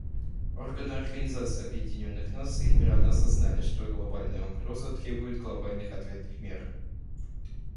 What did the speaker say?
Органы Организации Объединенных Наций рано осознали, что глобальная угроза требует глобальных ответных мер.